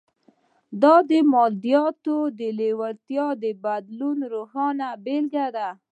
دا د مادیاتو د لېوالتیا بدلولو روښانه بېلګه ده